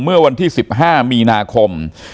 เมื่อวันที่๑๕มีนาคม